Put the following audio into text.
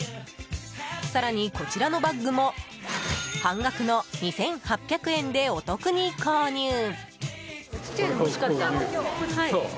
更に、こちらのバッグも半額の２８００円でお得に購入。